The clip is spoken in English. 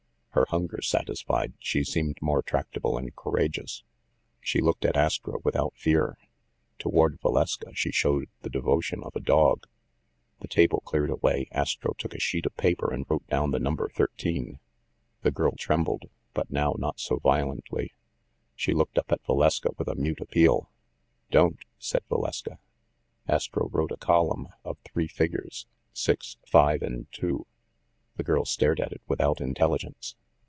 Her hunger satisfied, she seemed more tractable and courageous. She looked at Astro without fear. Toward Valeska, she showed the devotion of a dog. The table cleared away, Astro took a sheet of paper and wrote down the number 13. The girl trembled, but now not so violently. She looked up at Valeska with a mute appeal. "Don't!" said Valeska. Astro wrote a column of three figures : 6, 5, and 2. The girl stared at it without intelligence.